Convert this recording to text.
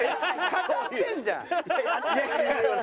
語ってんじゃん。